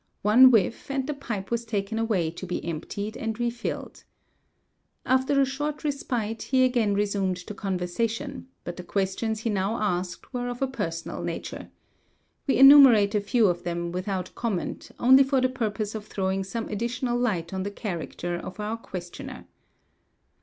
One whiff, and the pipe was taken away to be emptied and refilled. After a short respite he again resumed the conversation, but the questions he now asked were of a personal nature. We enumerate a few of them, without comment, only for the purpose of throwing some additional light on the character of our questioner.